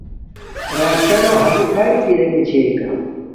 راکانا ھاگی قایت ارنݣ چھے کا